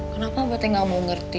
kenapa abah teh enggak mau ngerti